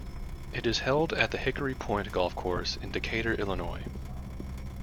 It is held at the Hickory Point Golf Course in Decatur, Illinois.